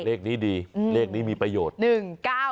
เลขนี้ดีเลขนี้มีประโยชน์